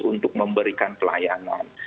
untuk memberikan pelayanan